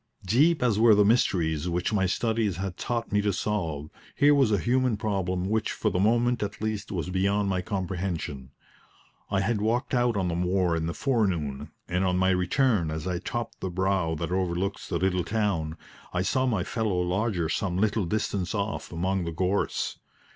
Deep as were the mysteries which my studies had taught me to solve, here was a human problem which for the moment at least was beyond my comprehension. I had walked out on the moor in the forenoon, and on my return, as I topped the brow that overlooks the little town, I saw my fellow lodger some little distance off among the gorse.